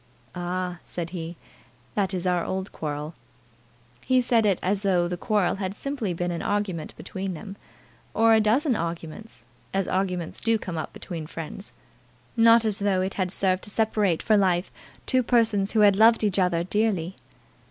"Ah!" said he, "that is our old quarrel." He said it as though the quarrel had simply been an argument between them, or a dozen arguments, as arguments do come up between friends; not as though it had served to separate for life two persons who had loved each other dearly.